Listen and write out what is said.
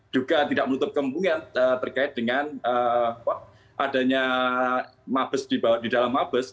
juga tidak menutup kemungkinan terkait dengan adanya mabes di dalam mabes